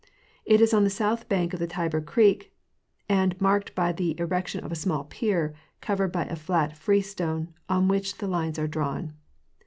It ison the south bank of Tyber creek and marked by the erection of a small pier, covered by a flat freestone, on which the lines are drawn.